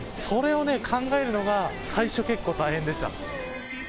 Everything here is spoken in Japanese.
それをね考えるのが最初結構大変でした。